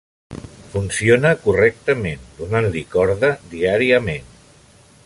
Funciona correctament, donant-li corda diàriament.